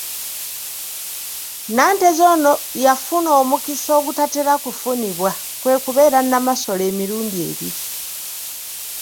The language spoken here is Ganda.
Nanteza ono yafuna omukisa ogutatera kufunibwa, kwe kubeera Namasole emirundi ebiri,.